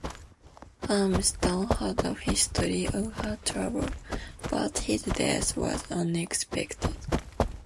Harmston had a history of heart trouble, but his death was unexpected.